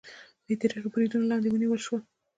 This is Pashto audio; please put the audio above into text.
بې درېغو بریدونو لاندې ونیول شول